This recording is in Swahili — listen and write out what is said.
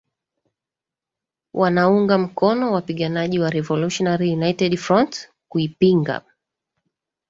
wanaunga mkono wapiganaji wa Revolutionary United Front kuipinga